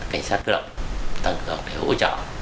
cảnh sát cơ động tăng cường để hỗ trợ